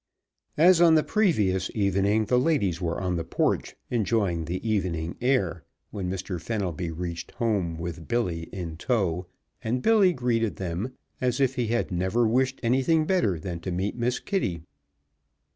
As on the previous evening the ladies were on the porch, enjoying the evening air, when Mr. Fenelby reached home, with Billy in tow, and Billy greeted them as if he had never wished anything better than to meet Miss Kitty.